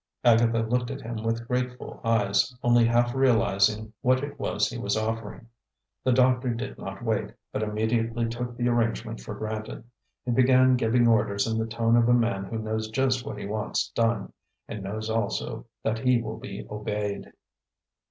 Agatha looked at him with grateful eyes, only half realizing what it was he was offering. The doctor did not wait, but immediately took the arrangement for granted. He began giving orders in the tone of a man who knows just what he wants done, and knows also that he will be obeyed.